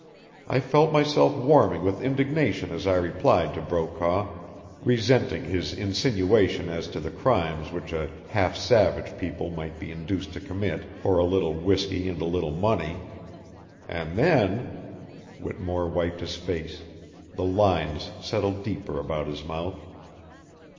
I felt myself warming with indignation as I replied to Brokaw, resenting his insinuations as to the crimes which a 'half savage' people might be induced to commit for a little whisky and a little money. And then " Whittemore wiped his face. The lines settled deeper about his mouth.